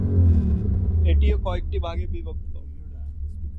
এটিও কয়েকটি ভাগে বিভক্ত।